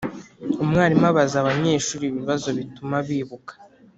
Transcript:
Umwarimu abaza abanyeshuri ibibazo bituma bibuka